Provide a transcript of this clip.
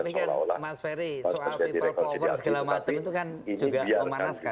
tapi kan mas ferry soal people power segala macam itu kan juga memanaskan